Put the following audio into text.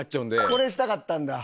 これしたかったんだ。